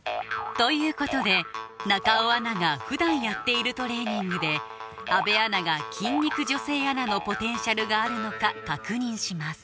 ということで中尾アナが普段やっているトレーニングで阿部アナが筋肉女性アナのポテンシャルがあるのか確認します